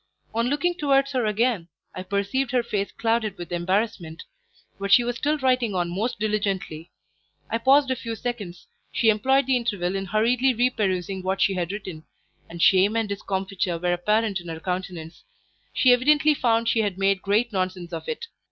On looking towards her again, I perceived her face clouded with embarrassment, but she was still writing on most diligently; I paused a few seconds; she employed the interval in hurriedly re perusing what she had written, and shame and discomfiture were apparent in her countenance; she evidently found she had made great nonsense of it.